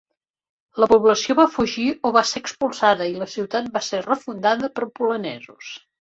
La població va fugir o va ser expulsada i la ciutat va ser refundada per polonesos.